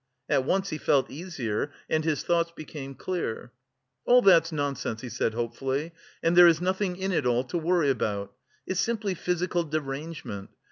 At once he felt easier; and his thoughts became clear. "All that's nonsense," he said hopefully, "and there is nothing in it all to worry about! It's simply physical derangement.